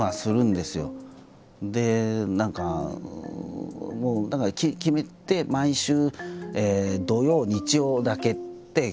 で何かだから決めて毎週土曜日曜だけって決めて。